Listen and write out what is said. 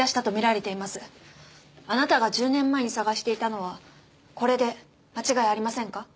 あなたが１０年前に捜していたのはこれで間違いありませんか？